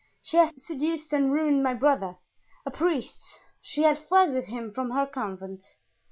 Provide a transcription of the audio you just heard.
"She had seduced and ruined my brother, a priest. She had fled with him from her convent."